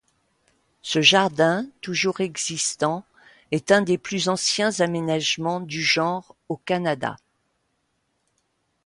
Ce jardin, toujours existant, est un des plus anciens aménagements du genre au Canada.